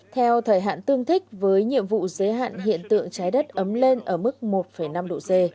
theo thời hạn tương thích với nhiệm vụ giới hạn hiện tượng trái đất ấm lên ở mức một năm độ c